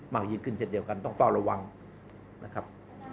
ยิ่งขึ้นเช่นเดียวกันต้องเฝ้าระวังนะครับ